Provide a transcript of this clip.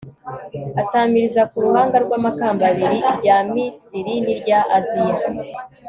atamiriza ku ruhanga rwe amakamba abiri, irya misiri n'irya aziya